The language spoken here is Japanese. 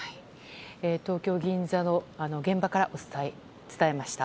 東京・銀座の現場から伝えました。